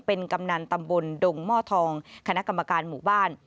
เป็นกำนันตำบลดงหม้อทองคณะกรรมการหมู่บ้าน